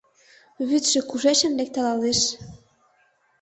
Вӱдшӧ кушечын лекталалеш?